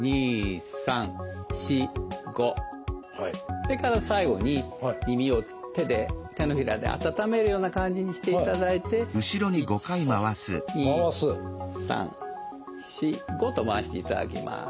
それから最後に耳を手で手のひらで温めるような感じにしていただいて１２３４５と回していただきます。